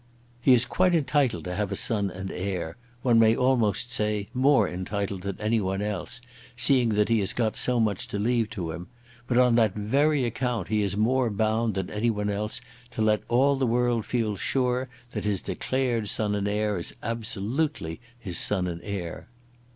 "He is quite entitled to have a son and heir, one may almost say more entitled than anyone else, seeing that he has got so much to leave to him, but on that very account he is more bound than anyone else to let all the world feel sure that his declared son and heir is absolutely his son and heir."